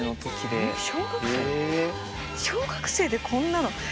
小学生でこんなの！